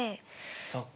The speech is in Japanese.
そっか。